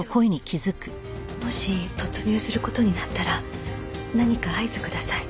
「班長」もし突入する事になったら何か合図ください。